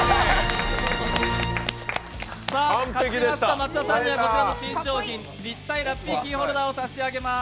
松田さんには新商品、立体ラッピーキーホルダーを差し上げます。